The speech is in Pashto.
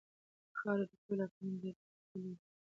خاوره د ټولو افغانانو ژوند په بېلابېلو بڼو اغېزمن کوي.